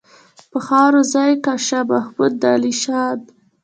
په خاورو ځای کا شاه محمود د عالیشان.